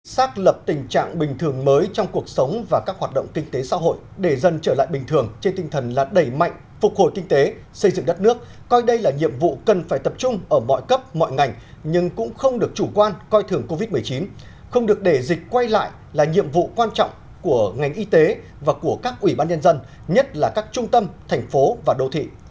xác lập tình trạng bình thường mới trong cuộc sống và các hoạt động kinh tế xã hội để dân trở lại bình thường trên tinh thần là đầy mạnh phục hồi kinh tế xây dựng đất nước coi đây là nhiệm vụ cần phải tập trung ở mọi cấp mọi ngành nhưng cũng không được chủ quan coi thường covid một mươi chín không được để dịch quay lại là nhiệm vụ quan trọng của ngành y tế và của các ủy ban nhân dân nhất là các trung tâm thành phố và đô thị